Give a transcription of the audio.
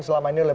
selama ini oleh